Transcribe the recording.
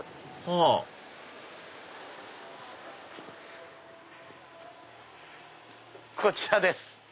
はぁこちらです！